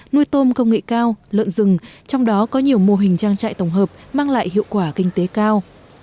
nuôi tôm công nghệ cao lợn rừng trong đó có nhiều mô hình trang trại tổng hợp mang lại hiệu quả kinh tế cao